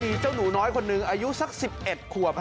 มีเจ้าหนูน้อยคนหนึ่งอายุสัก๑๑ขวบ